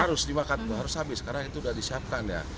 harus dimakan harus habis karena itu udah disiapkan ya